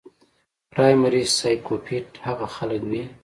پرايمري سايکوپېت هغه خلک وي